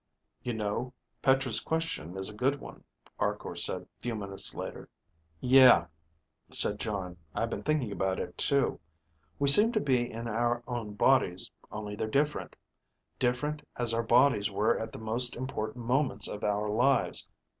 "You know, Petra's question is a good one," Arkor said few minutes later. "Yeah," said Jon. "I've been thinking about it too. We seem to be in our own bodies, only they're different. Different as our bodies were at the most important moments of our lives.